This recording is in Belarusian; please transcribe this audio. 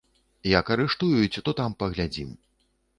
Як арыштуюць, то там паглядзім.